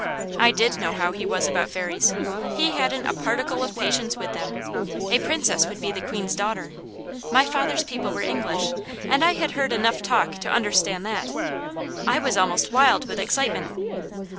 I did know how he was about Fairies. He hadn't a particle of patience with them. A Princess would be the Queen's daughter. My father's people were English, and I had heard enough talk to understand that. I was almost wild with excitement.